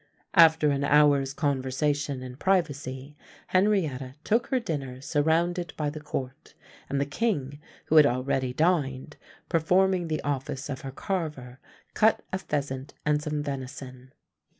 After an hour's conversation in privacy, Henrietta took her dinner surrounded by the court; and the king, who had already dined, performing the office of her carver, cut a pheasant and some venison.